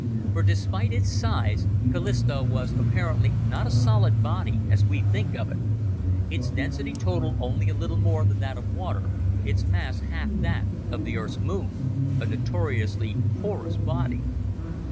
For despite its size, Callisto was apparently not a solid body as we think of it. Its density totaled only a little more than that of water, its mass half that of the Earth's Moon a notoriously porous body.